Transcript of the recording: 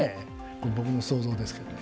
これ僕の想像ですけどね。